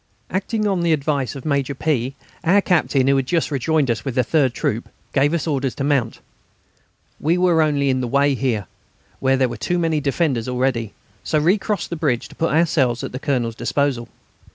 Acting on the advice of Major P., our Captain, who had just rejoined us with the third troop, gave orders to mount. We were only in the way here, where there were too many defenders already, so recrossed the bridge to put ourselves at the Colonel's disposal.